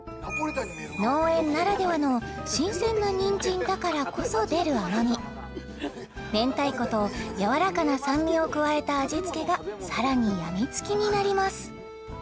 農園ならではの新鮮なにんじんだからこそ出る甘み明太子とやわらかな酸味を加えた味付けがさらにやみつきになります